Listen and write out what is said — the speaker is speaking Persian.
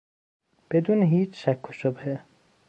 بدون هیچ شک و شبهه